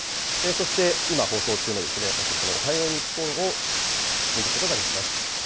そして今放送中の、まさにこれ、おはよう日本を見ることができます。